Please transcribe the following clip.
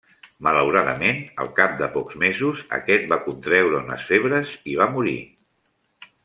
Malauradament, al cap de pocs mesos, aquest va contreure unes febres i va morir.